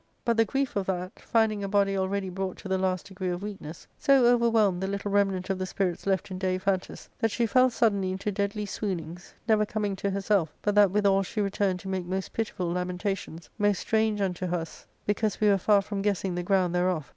ARCADIA,— Book IL 213 " But the grief of that, finding a body already brought to the 1 last degree of weakness, so overwhelmed the little remnant of the spirits left in Daiphantus, that she fell suddenly into deadly swoonings, never coming to herself but that withzd she returned to make most pitiful lamentations, most strange unto us because we were far from guessing the groimd thereof.